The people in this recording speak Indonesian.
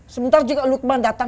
sebentar juga lukman datang